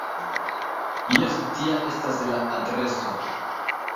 Jes, tia estas la adreso.